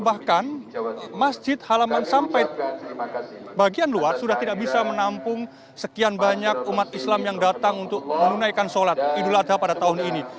bahkan masjid halaman sampai bagian luar sudah tidak bisa menampung sekian banyak umat islam yang datang untuk menunaikan sholat idul adha pada tahun ini